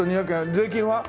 税金は？